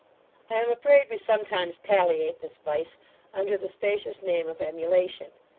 I am afraid we sometimes palliate this vice, under the spacious name of emulation.